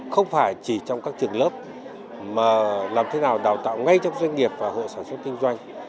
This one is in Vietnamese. không phải chỉ trong các trường lớp mà làm thế nào đào tạo ngay trong doanh nghiệp và hộ sản xuất kinh doanh